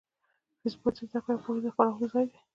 فېسبوک د زده کړې او پوهې د خپرولو ځای دی